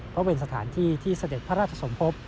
เพราะเป็นสถานที่ที่เสด็จพระราชสมภพ